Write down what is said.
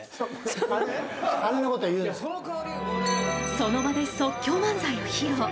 その場で即興漫才を披露。